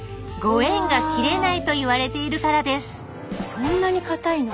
そんなにかたいの？